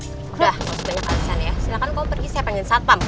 enggak gak usah banyak alisan ya silahkan kamu pergi saya pengen satpam kalau kamu gak pergi